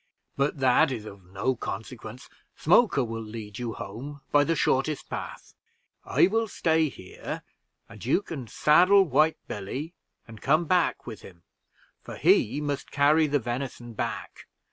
but that is of no consequence Smoker will lead you home by the shortest path. I will stay here, and you can saddle White Billy and come back with him, for he must carry the venison back.